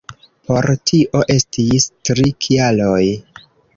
Por tio estis tri kialoj.